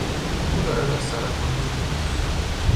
او دارد از سرطان میمیرد.